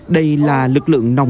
đây là lực lượng nòng công